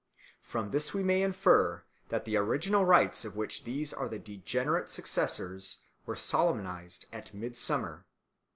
From this we may infer that the original rites of which these are the degenerate successors were solemnised at midsummer.